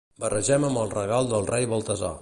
Barregem amb el regal del rei Baltasar.